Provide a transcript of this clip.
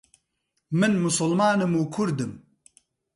من موسڵمانم و کوردم.